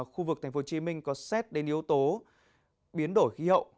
khu vực tp hcm có xét đến yếu tố biến đổi khí hậu